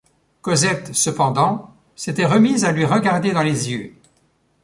Cosette cependant s’était remise à lui regarder dans les yeux.